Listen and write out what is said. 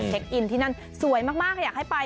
เซ็กอินที่นั่นสวยมากอยากให้ไป